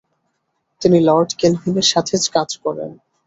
তিনি Lord Kelvin এর সাথে কাজ করেন।